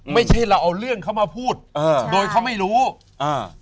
ไม่ใช่เราเอาเรื่องเขามาพูดอ่าโดยเขาไม่รู้อ่า